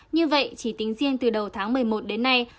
như vậy chỉ tính riêng từ đầu tháng một mươi một đến nay